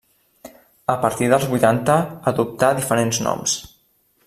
A partir dels vuitanta adoptà diferents noms.